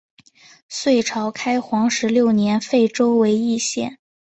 隋朝开皇十六年废州为易县。